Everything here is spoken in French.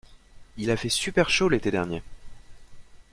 Il a fait super chaud l'été dernier.